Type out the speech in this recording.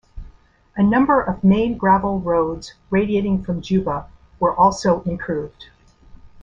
A number of main gravel roads radiating from Juba were also improved.